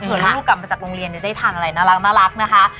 เพื่อลูกกลับมาจากโรงเรียนจะได้ทานอะไรน่ารักนะคะ